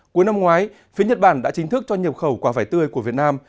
cuối năm ngoái phía nhật bản đã chính thức cho nhập khẩu quả vải tươi của việt nam